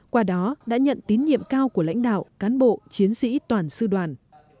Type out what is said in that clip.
qua đó đã nhận tín nhiệm cao của lãnh đạo cán bộ chiến sĩ toàn sư đoàn